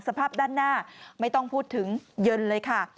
สภาพด้านหน้าไม่ต้องพูดถึงเย็นเลยค่ะ